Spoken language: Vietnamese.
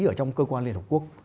ở trong cơ quan liên hợp quốc